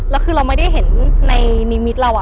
แล้วคือเราไม่ได้เห็นในนิมิตเรา